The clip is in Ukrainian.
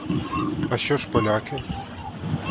А що ж поляки?